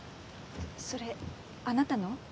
それあなたの？